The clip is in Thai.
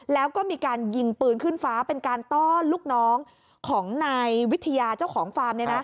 แล้วก็มีการยิงปืนขึ้นฟ้าเป็นการต้อนลูกน้องของนายวิทยาเจ้าของฟาร์ม